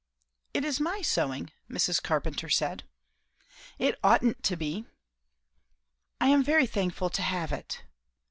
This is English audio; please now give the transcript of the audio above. "It is my sewing," Mrs. Carpenter said. "It oughtn't to be." "I am very thankful to have it."